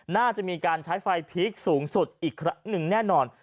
น่าจะมีการใช้ไฟพีคสูงสุดอีกครั้งหนึ่งแน่นอน